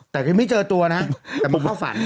แต่ยังไม่เจอตัวนะแต่มาเข้าฝัน